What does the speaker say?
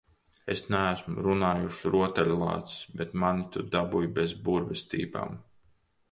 Es neesmu runājošs rotaļlācis, bet mani tu dabūji bez burvestībām.